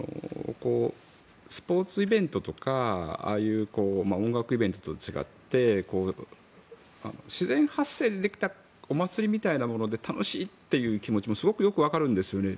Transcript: スポーツイベントとかああいう音楽イベントと違って自然発生でできたお祭りみたいなもので楽しいという気持ちもすごくよくわかるんですよね。